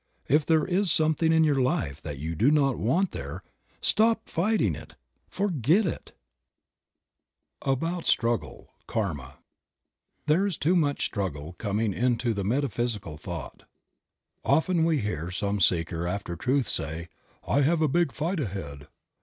If there is something in your life that you do not want there, stop fighting it — forget it ! ABOUT STRUGGLE — KARMA. ''THERE is too much struggle coming into the meta physical thought. Often we hear some seeker after truth say, "I have a big fight ahead."